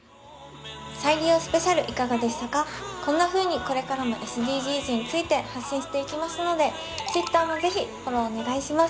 こんなふうにこれからもＳＤＧｓについて発信していきますのでＴｗｉｔｔｅｒもぜひフォローお願いします。